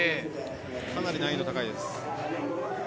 かなり難易度が高いです。